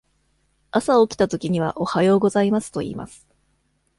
朝起きたときには「おはようございます」と言います。